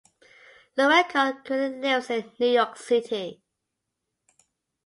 Lourenco currently lives in New York City.